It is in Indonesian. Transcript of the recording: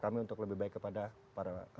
kami untuk lebih baik kepada para